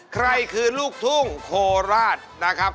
ใครคือลูกทุ่งโคราชนะครับ